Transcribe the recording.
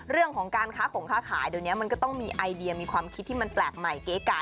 เรื่องของการค้าของค้าขายเดี๋ยวนี้มันก็ต้องมีไอเดียมีความคิดที่มันแปลกใหม่เก๋ไก่